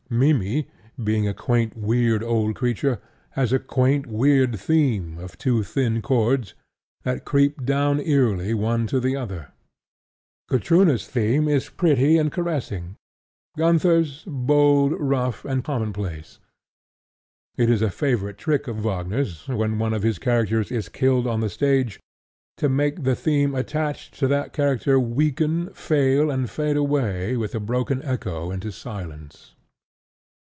Mimmy, being a quaint, weird old creature, has a quaint, weird theme of two thin chords that creep down eerily one to the other. Gutrune's theme is pretty and caressing: Gunther's bold, rough, and commonplace. It is a favorite trick of Wagner's, when one of his characters is killed on the stage, to make the theme attached to that character weaken, fail, and fade away with a broken echo into silence.